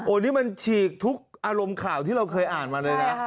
อันนี้มันฉีกทุกอารมณ์ข่าวที่เราเคยอ่านมาเลยนะ